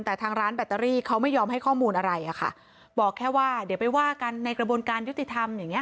แต่ทางร้านแบตเตอรี่เขาไม่ยอมให้ข้อมูลอะไรอะค่ะบอกแค่ว่าเดี๋ยวไปว่ากันในกระบวนการยุติธรรมอย่างเงี้